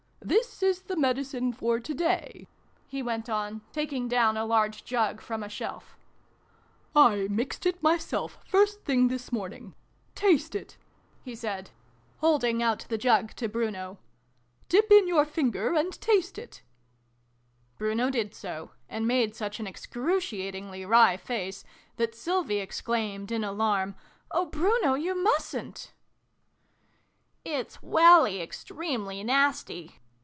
This is the Medi cine for today," he went on, taking down a large jug from a shelf. " I mixed it, myself, first thing this morning. Taste it !" he said, 314 SYLVIE AND BRUNO CONCLUDED. holding out the jug to Bruno. " Dip in your finger, and taste it !" Bruno did so, and made such an excru ciatingly wry face that Sylvie exclaimed, in alarm, " Oh, Bruno, you mustn't !" "It's welly extremely nasty!"